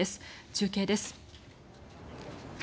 中継です。